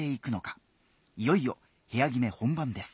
いよいよ部屋決め本番です。